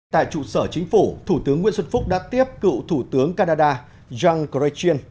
tại trụ sở chính phủ thủ tướng nguyễn xuân phúc đã tiếp cựu thủ tướng canada jean chrichin